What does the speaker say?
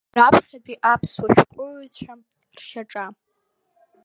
Раԥхьатәи аԥсуа шәҟәыҩшәҟәыҩҩцәа ршьаҿа.